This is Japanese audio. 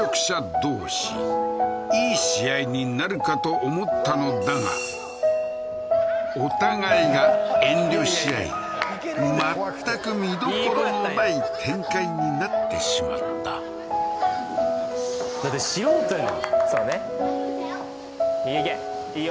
どうしいい試合になるかと思ったのだがお互いが遠慮しあい全く見所のない展開になってしまっただって素人やもんそうねうわ！